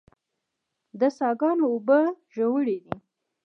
د څاه ګانو اوبه ژورې دي